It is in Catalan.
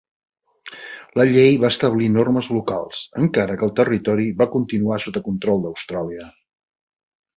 La llei va establir normes locals, encara que el territori va continuar sota control d'Austràlia.